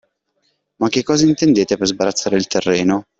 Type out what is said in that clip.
Ma che cosa intendete per sbarazzare il terreno?